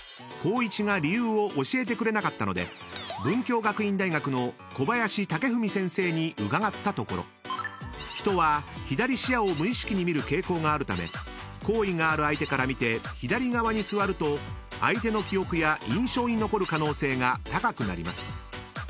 ［光一が理由を教えてくれなかったので文京学院大学の小林剛史先生に伺ったところ人は左視野を無意識に見る傾向があるため好意がある相手から見て左側に座ると相手の記憶や印象に残る可能性が高くなります］